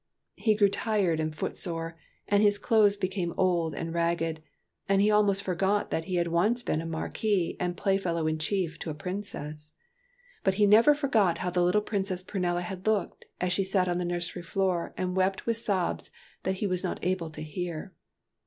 He grew tired and foot sore, and his clothes became old and ragged, and he almost forgot that he had once been a Marquis and Playfellow in chief to a princess. But he never forgot how the little Princess Prunella had looked, as she sat on the nursery floor and wept with sobs that he was not able to hear.